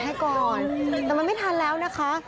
ให้ก่อนแต่มันไม่ทันแล้วนะคะ